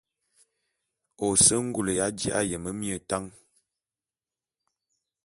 Ô se ngul ya ji'a yeme mie tan.